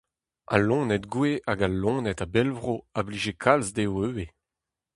Al loened gouez hag al loened a-bell-vro a blije kalz dezho ivez.